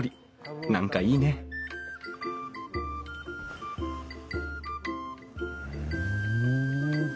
何かいいねふん。